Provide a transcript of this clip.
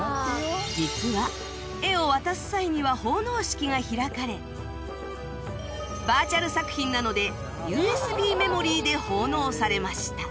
実は絵を渡す際には奉納式が開かれバーチャル作品なので ＵＳＢ メモリーで奉納されました